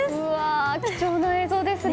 貴重な映像ですね。